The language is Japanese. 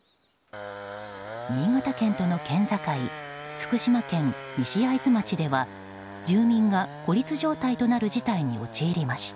新潟県との県境福島県西会津町では住民が孤立状態となる事態に陥りました。